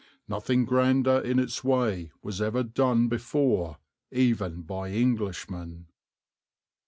"Nothing grander in its way was ever done before, even by Englishmen."